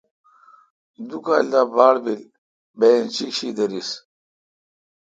دو کال دا باڑ بیل بہ انچیک شی دریس۔